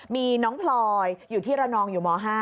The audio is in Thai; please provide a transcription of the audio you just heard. มีน้องพลอยอยู่ที่ระนองอยู่ม๕